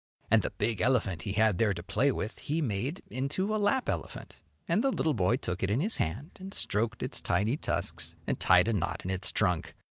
And the big elephant he had there to play with he made into a lap elephant, and the little boy took it in his hand and stroked its tiny tusks and tied a knot in its trunk.